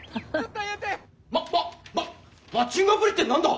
ママママッチングアプリって何だ？